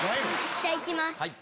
じゃあ行きます。